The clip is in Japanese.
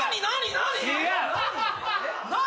何？